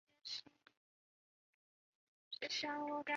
说只要放在枕边，便可高枕而卧